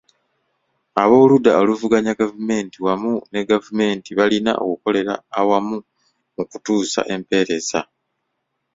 Ab'oludda oluvuganya gavumenti wamu ne gavumenti balina okukolera awamu mu kutuusa empereza.